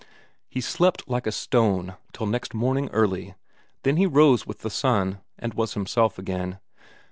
He slept like a stone till next morning early, then he rose with the sun, and was himself again.